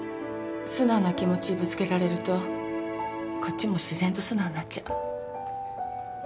素直な気持ちぶつけられるとこっちも自然と素直になっちゃう。